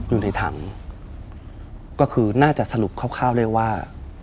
อยู่ในถังก็คือน่าจะสรุปคร่าวได้ว่า